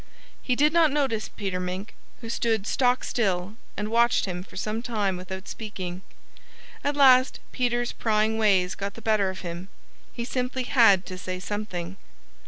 He did not notice Peter Mink, who stood stock still and watched him for some time without speaking. At last Peter's prying ways got the better of him. He simply had to say something.